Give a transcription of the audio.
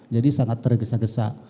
jadi sangat tergesa gesa